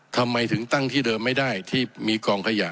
ทำไมถึงตั้งที่เดิมไม่ได้ที่มีกองขยะ